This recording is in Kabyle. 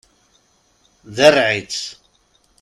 Derreɛ-itt!